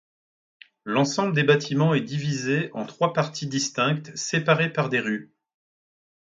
L'ensemble des bâtiments et divisé en trois parties distinctes séparées par des rues.